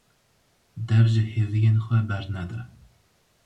Dev ji hêviyên xwe bernede.